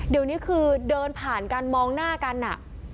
เดี๋ยวนี้คือเดินผ่านกันมองหน้ากันอ่ะ